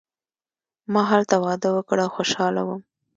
ما هلته واده وکړ او خوشحاله وم.